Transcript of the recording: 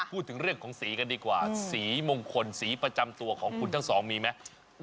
พูดถึงเรื่องของสีกันดีกว่าสีมงคลสีประจำตัวของคุณทั้งสองมีไหม